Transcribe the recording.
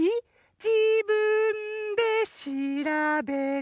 「じぶんでしらべて」